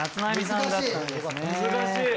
難しい！